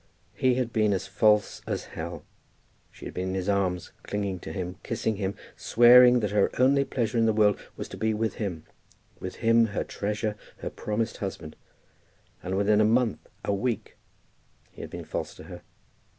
He had been as false as hell. She had been in his arms, clinging to him, kissing him, swearing that her only pleasure in the world was to be with him, with him her treasure, her promised husband; and within a month, a week, he had been false to her.